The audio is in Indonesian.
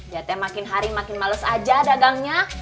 ya teh makin hari makin males aja dagangnya